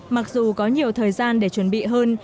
mặc dù có nhiều thời gian để chuẩn bị hơn